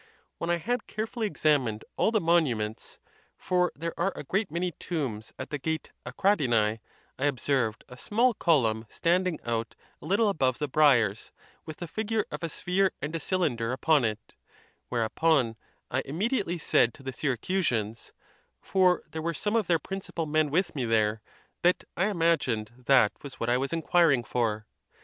When I had carefully examined all the monuments (for there are a great many tombs at the gate Achradinz), I observed a small column: standing out a little above the briers, with the figure of a sphere and a cylinder upon it; whereupon I immediately said to the Syracusans—for there were some of their principal men with me there—that I im agined that was what I was inquiring for.